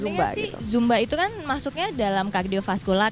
umumnya sih zumba itu kan masuknya dalam kardiofaskular